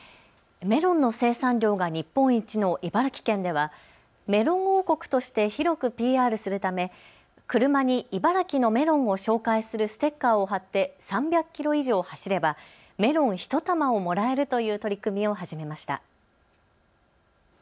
メロンの生産量が日本一の茨城県ではメロン王国として広くＰＲするため車に茨城のメロンを紹介するステッカーを貼って３００キロ以上走ればメロン１玉をもらえるという取り組みを始めました。